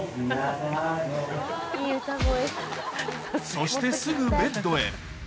そしてすぐベッドへ